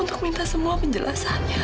untuk minta semua penjelasannya